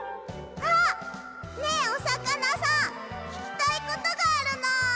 あっねえおさかなさんききたいことがあるの！